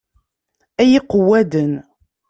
Ay iqewwaden!